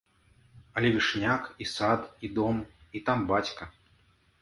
Але вішняк, і сад, і дом, і там бацька.